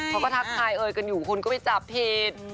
ทักทายเอ่ยกันอยู่คุณก็ไปจับผิด